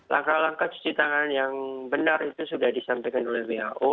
langkah langkah cuci tangan yang benar itu sudah disampaikan oleh who